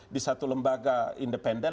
di satu lembaga independen